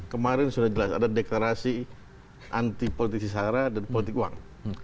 kemarin sudah jelas ada deklarasi anti politisi sara dan politik uang